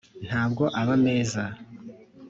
ntabwo aba meza